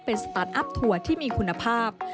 เป็นสตาร์ทอัพทัวร์ที่มีคุณภาพ